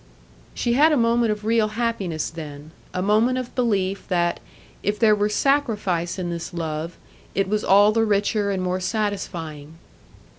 She had a moment of real happiness then,—a moment of belief that, if there were sacrifice in this love, it was all the richer and more satisfying.